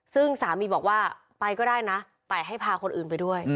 ซึ่งสามีบอกว่าไปก็ได้นะแต่ให้พาคนอื่นไปด้วย